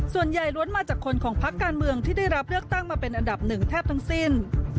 ล้วนมาจากคนของพักการเมืองที่ได้รับเลือกตั้งมาเป็นอันดับหนึ่งแทบทั้งสิ้น